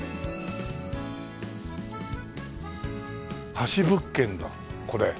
貸物件だこれ。